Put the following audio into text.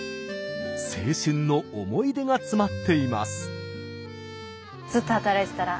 青春の思い出が詰まっています。